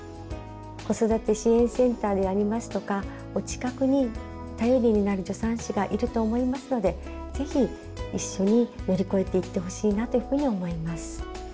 子育て支援センターでありますとかお近くに頼りになる助産師がいると思いますので是非一緒に乗り越えていってほしいなというふうに思います。